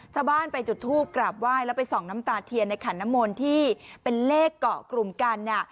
ชาวบ้านไปจุดทูปกราบไหว้แล้วไปส่องน้ำตาเทียนในขันน้ำมนที่เป็นเลขเกาะกลุ่มกันเนี่ย